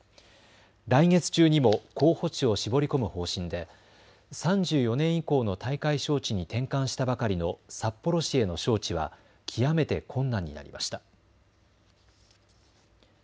来月中にも候補地を絞り込む方針で３４年以降の大会招致に転換したばかりの札幌市への招致は極めて困難になりました。